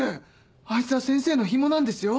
あいつは先生のヒモなんですよ？